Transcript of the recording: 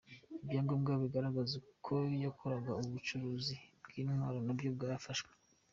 Ibyangombwa bigaragaza uko yakoraga ubu bucuruzi bw’intwaro na byo byafashwe .